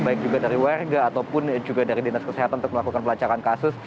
baik juga dari warga ataupun juga dari dinas kesehatan untuk melakukan pelacakan kasus